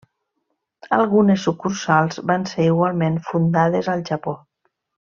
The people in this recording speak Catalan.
Algunes sucursals van ser igualment fundades al Japó.